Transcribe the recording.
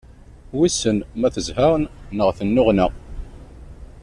Wissen ma tezha, neɣ tennuɣna.